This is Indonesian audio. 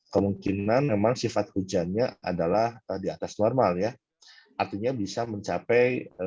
kemungkinan memang sifat hujannya adalah di atas normal ya artinya bisa mencapai